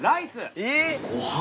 えっ！？